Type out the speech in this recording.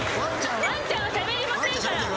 ワンちゃんはしゃべりませんから。